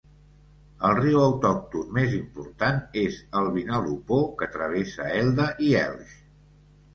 El riu autòcton més important és el Vinalopó que travessa Elda i Elx.